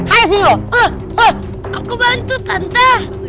aku bantu tante